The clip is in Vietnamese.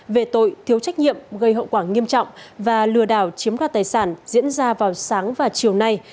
về tội thiếu trách nhiệm gây hậu quả nghiêm trọng và lừa đảo chiếm đoạt tài sản diễn ra vào sáng và chiều nay